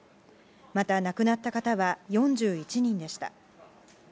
また亡くなった方は４１人でした。